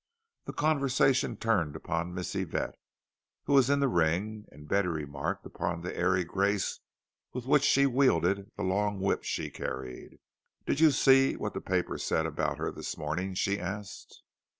The conversation turned upon Miss Yvette, who was in the ring; and Betty remarked upon the airy grace with which she wielded the long whip she carried. "Did you see what the paper said about her this morning?" she asked.